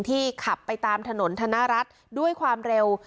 ขับไปตามถนนธนรัฐด้วยความเร็ว